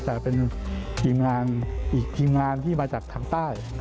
แต่เป็นทีมงานอีกทีมงานที่มาจากทางใต้